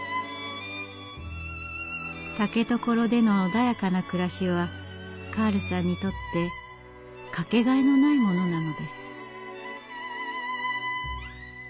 竹所での穏やかな暮らしはカールさんにとってかけがえのないものなのです。